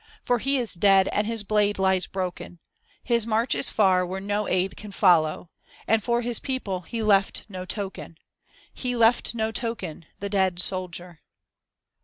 For he is dead and his blade lies broken. His march is far where no aid can follow, And for his people he left no token; He left no token, the dead soldier."